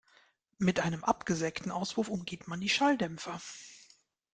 Mit einem absägten Auspuff umgeht man die Schalldämpfer.